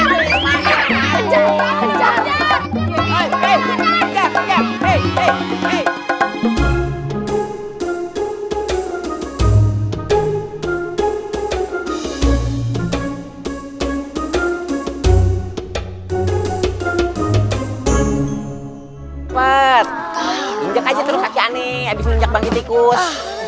berpindah aja terus kakak nih habis minum bangkit tikus